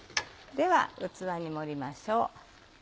では器に盛りましょう。